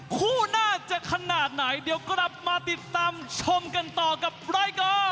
คู่หน้าจะขนาดไหนเดี๋ยวกลับมาติดตามชมกันต่อกับรายการ